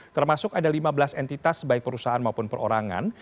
termasuk ada lima belas entitas baik perusahaan maupun perorangan